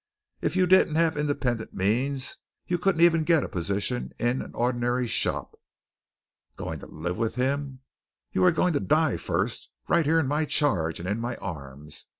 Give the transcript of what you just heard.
If you didn't have independent means, you couldn't even get a position in an ordinary shop. Going to live with him? You are going to die first, right here in my charge and in my arms.